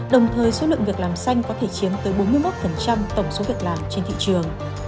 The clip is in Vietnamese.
đồng thời số lượng việc làm xanh có thể chiếm tới bốn mươi một tổng số việc làm trên thị trường